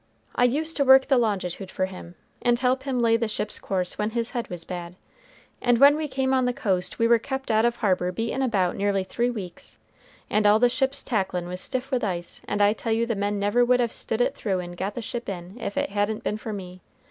I used to work the longitude for him and help him lay the ship's course when his head was bad, and when we came on the coast, we were kept out of harbor beatin' about nearly three weeks, and all the ship's tacklin' was stiff with ice, and I tell you the men never would have stood it through and got the ship in, if it hadn't been for me.